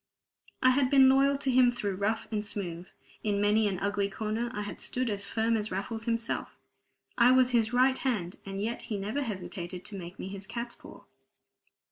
I had been loyal to him through rough and smooth. In many an ugly corner I had stood as firm as Raffles himself. I was his right hand, and yet he never hesitated to make me his catspaw.